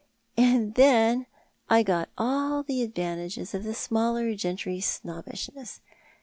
" And then I got all the advan tage of the smaller gentry's snobbishness.